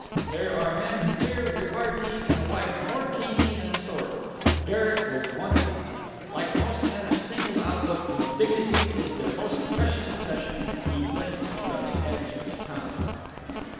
There are men who fear repartee in a wife more keenly than a sword. Derek was one of these. Like most men of single outlook, whose dignity is their most precious possession, he winced from an edged tongue.